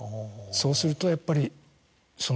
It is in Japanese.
そうするとやっぱり。